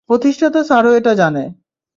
প্রতিষ্ঠাতা স্যারও এটা জানে।